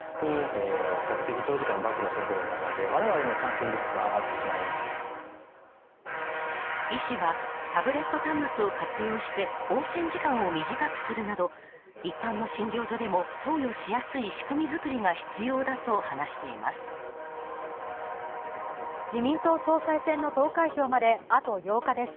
往診した医師は医師はタブレット端末を活用して往診時間を短くするなど一般の診療所でも投与しやすい仕組み作りが必要だと話しています。